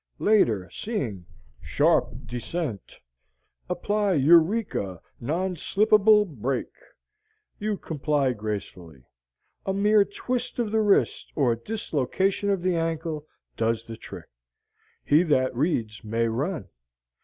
Later, seeing: SHARP DESCENT APPLY EUREKA NON SLIP ABLE BRAKE you comply gracefully. A mere twist of the wrist or dislocation of the ankle does the trick. He that reads may run.